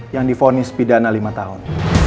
yang difonis pidana lima tahun